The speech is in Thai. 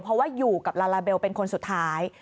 เพราะว่าอยู่กับลาลาเบลเป็นคนสุดท้าย